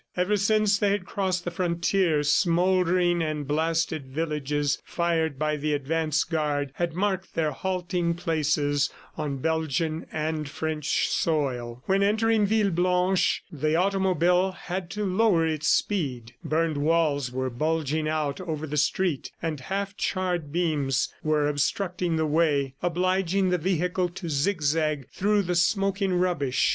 Ever since they had crossed the frontier, smoldering and blasted villages, fired by the advance guard, had marked their halting places on Belgian and French soil. When entering Villeblanche the automobile had to lower its speed. Burned walls were bulging out over the street and half charred beams were obstructing the way, obliging the vehicle to zigzag through the smoking rubbish.